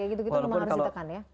gitu gitu memang harus ditekan ya